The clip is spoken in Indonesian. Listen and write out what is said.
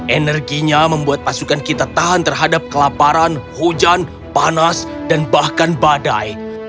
energinya membuat pasukan kita tahan terhadap kelaparan hujan panas dan bahkan badai